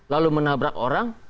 lalu menabrak orang